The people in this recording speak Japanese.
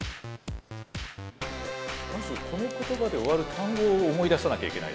まずこの言葉で終わる単語を思い出さなきゃいけないですもんね。